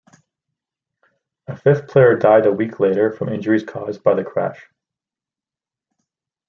A fifth player died a week later from injuries caused by the crash.